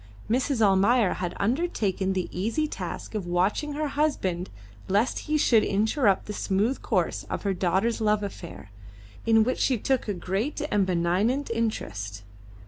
Mrs. Almayer had undertaken the easy task of watching her husband lest he should interrupt the smooth course of her daughter's love affair, in which she took a great and benignant interest.